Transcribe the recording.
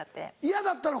嫌だったの？